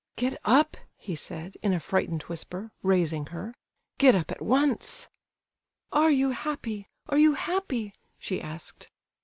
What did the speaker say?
"Get up!" he said, in a frightened whisper, raising her. "Get up at once!" "Are you happy—are you happy?" she asked.